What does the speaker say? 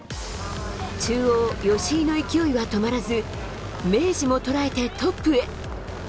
中央、吉居の勢いは止まらず、明治も捉えてトップへ。